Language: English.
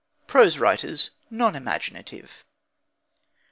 PROSE WRITERS: NON IMAGINATIVE.